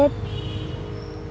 junedi sama ubed